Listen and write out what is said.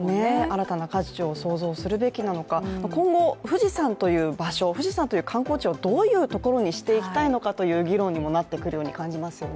新たな価値を創造すべきなのか今後富士山という場所、富士山という観光地をどういうところにしていきたいかという議論にもなってくるようにも感じますよね。